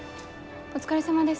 お疲れさまです。